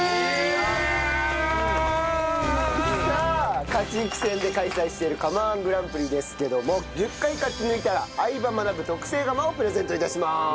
さあ勝ち抜き戦で開催している釜−１グランプリですけども１０回勝ち抜いたら『相葉マナブ』特製釜をプレゼント致します。